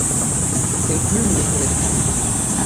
Quelle plume le pourrait décrire !